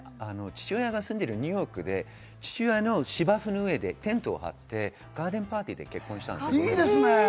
父親が住んでいるニューヨークで芝生の上でテントを張ってガーデンパックで結婚したんです。